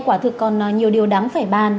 quả thực còn nhiều điều đáng phải bàn